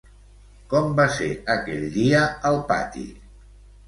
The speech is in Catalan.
Com va ser aquell dia al pati?